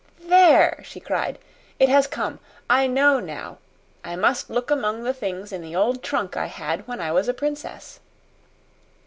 "There!" she cried. "It has come! I know now! I must look among the things in the old trunk I had when I was a princess."